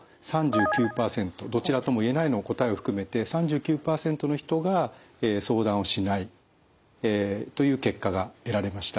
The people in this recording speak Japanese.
「どちらとも言えない」の答えを含めて３９％の人が「相談をしない」という結果が得られました。